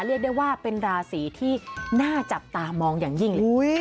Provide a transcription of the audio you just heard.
เรียกได้ว่าเป็นราศีที่น่าจับตามองอย่างยิ่งเลย